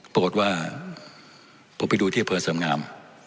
ปรากฏว่าผมไปดูที่อำเภอเสริมงาม